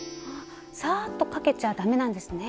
サーッとかけちゃダメなんですね。